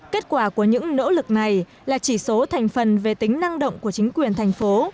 kết quả của những nỗ lực này là chỉ số thành phần về tính năng động của chính quyền thành phố